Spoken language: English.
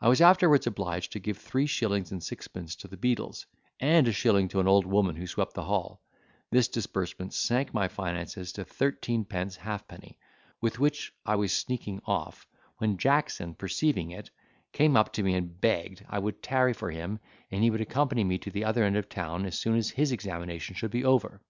I was afterwards obliged to give three shillings and sixpence to the beadles, and a shilling to an old woman who swept the hall: this disbursement sank my finances to thirteen pence halfpenny, with which I was sneaking off, when Jackson, perceiving it, came up to me, and begged I would tarry for him, and he would accompany me to the other end of the town, as soon as his examination should be over.